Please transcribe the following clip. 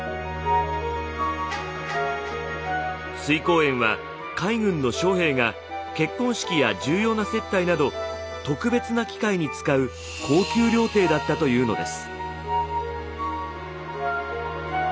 翠光園は海軍の将兵が結婚式や重要な接待など特別な機会に使う高級料亭だったというのです。